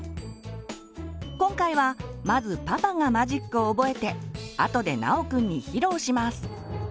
今回はまずパパがマジックを覚えてあとで尚くんに披露します。